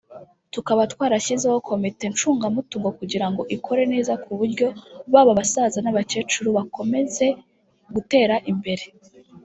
tukaba twarashyizeho komite ncungamutungo kugira ngo ikore neza ku buryo baba abasaza n’abakecuru bakomeze gutera imbere